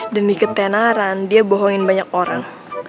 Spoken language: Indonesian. demi ketenaran dia bohongin banyak orang